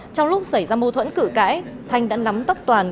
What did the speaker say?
trong lúc xảy ra mâu thuẫn cử cãi thanh đã nắm tóc toàn